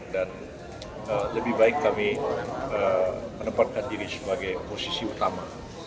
dan lebih baik kami menempatkan diri sebagai posisi utama